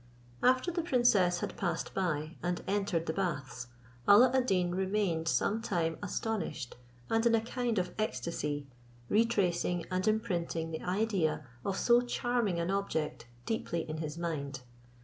After the princess had passed by, and entered the baths, Alla ad Deen remained some time astonished, and in a kind of ecstacy, retracing and imprinting the idea of so charming an object deeply in his mind.